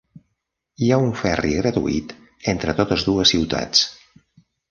Hi ha un ferri gratuït entre totes dues ciutats.